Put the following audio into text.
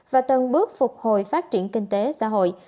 và từng bước phục hồi phát triển kinh tế xã hội